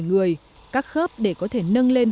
người các khớp để có thể nâng lên